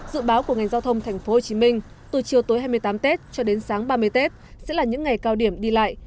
dự báo của ngành giao thông tp hcm từ chiều tối hai mươi tám tết cho đến sáng ba mươi tết sẽ là những ngày cao điểm đi lại